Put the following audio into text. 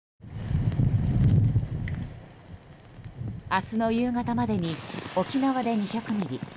明日の夕方までに沖縄で２００ミリ